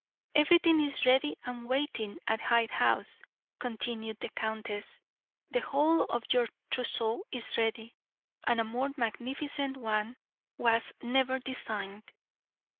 "Everything is ready and waiting at Hyde House," continued the countess; "the whole of your trousseau is ready, and a more magnificent one was never designed."